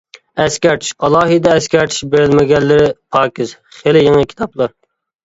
ئەسكەرتىش: ئالاھىدە ئەسكەرتىش بېرىلمىگەنلىرى پاكىز، خېلى يېڭى كىتابلار.